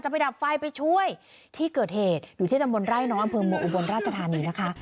จะไปดับไฟไปช่วยที่เกิดเหตุอยู่ที่ตำรวจไล่น้องอำเภิงบนราชธานีนะคะ